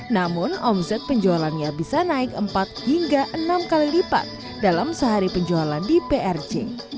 namun omset penjualannya bisa naik empat hingga enam kali lipat dalam sehari penjualan di prj